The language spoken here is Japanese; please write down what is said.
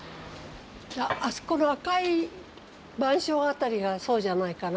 あそこの赤いマンション辺りがそうじゃないかなと思う。